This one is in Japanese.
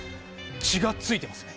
血が付いてますね。